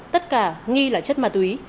tất cả nghi là chất ma túy